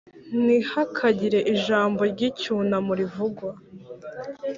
ntihakagire ijambo ry'icyunamo rivugwa.